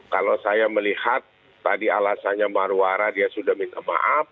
kalau saya melihat tadi alasannya marwara dia sudah minta maaf